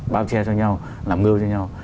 bao che cho nhau làm ngươi cho nhau